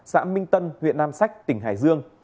xã minh tân việt nam sách tỉnh hải dương